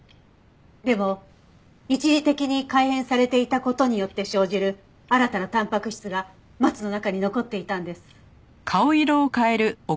でも一時的に改変されていた事によって生じる新たなたんぱく質がマツの中に残っていたんです。